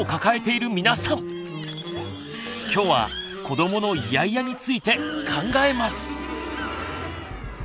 きょうは子どものイヤイヤについて考えます！